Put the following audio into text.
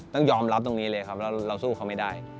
ต้องยอมรับตรงนี้เลยครับแล้วเราสู้เขาไม่ได้